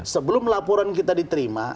sebelum laporan kita diterima